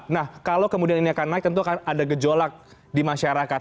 nah kalau kemudian ini akan naik tentu akan ada gejolak di masyarakat